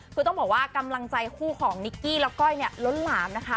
คือต้องบอกว่ากำลังใจคู่ของนิกกี้และก้อยเนี่ยล้นหลามนะคะ